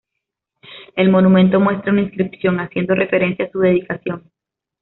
El monumento muestra una inscripción haciendo referencia a su dedicación.